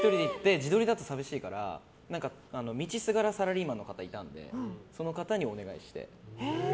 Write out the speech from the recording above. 自撮りだと寂しいから、道すがらサラリーマンの方がいたのでその方にお願いして。